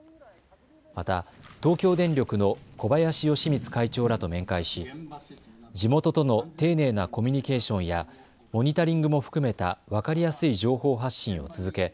また東京電力の小林喜光会長らと面会し地元との丁寧なコミュニケーションやモニタリングも含めた分かりやすい情報発信を続け